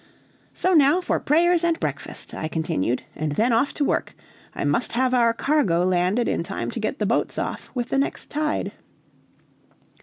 "So now for prayers and breakfast," I continued, "and then off to work. I must have our cargo landed in time to get the boats off with the next tide."